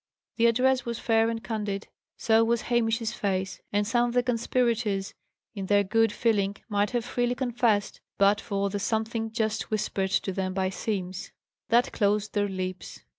The address was fair and candid; so was Hamish's face; and some of the conspirators, in their good feeling, might have freely confessed, but for the something just whispered to them by Simms. That closed their lips.